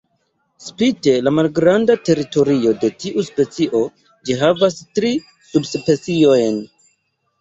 Spite la malgranda teritorio de tiu specio, ĝi havas tri subspeciojn.